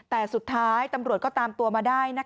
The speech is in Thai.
แต่สุดท้ายตำรวจก็ตามตัวมาได้